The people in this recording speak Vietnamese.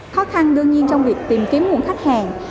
khó khăn đương nhiên trong việc tìm kiếm nguồn khách hàng